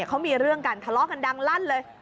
เขามีเรื่องกันทะเลาะกันดังลั่นเลย